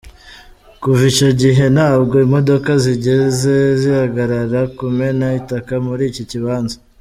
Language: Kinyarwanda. Kuva icyo gihe ntabwo imodoka zigeze zihagarara kumena itaka muri iki kibanza.